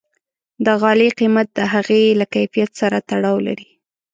د غالۍ قیمت د هغې له کیفیت سره تړاو لري.